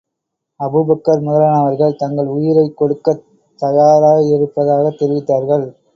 Abu Bakr முதலானவர்கள் தங்கள் உயிரைக் கொடுக்கத் தயாராயிருப்பதாகத் தெரிவித்தார்கள்.